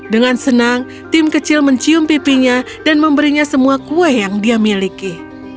dengan senang tim kecil mencium pipinya dan memberinya semua kue yang dia miliki